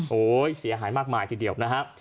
โอ้โหเสียหายมากมายทีเดียวนะครับ